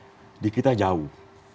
jadi kita jauh